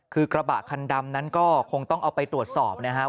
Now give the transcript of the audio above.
คือกระบะคันดำนั้นก็คงต้องเอาไปตรวจสอบนะครับ